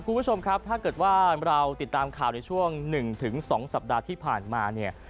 คุณผู้ชมครับถ้าเกิดว่าเราติดตามข่าวในช่วง๑๒สัปดาห์ที่ผ่านมาเนี่ย